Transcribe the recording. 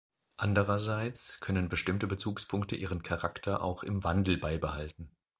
Andererseits können bestimmte Bezugspunkte ihren Charakter auch im Wandel beibehalten.